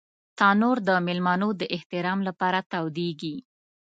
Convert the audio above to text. تنور د مېلمنو د احترام لپاره تودېږي